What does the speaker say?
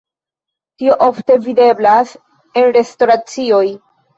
Tio ofte videblas en restoracioj.